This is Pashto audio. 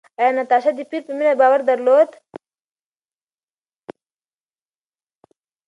ایا ناتاشا د پییر په مینه باور درلود؟